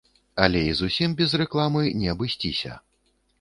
Але і зусім без рэкламы не абысціся.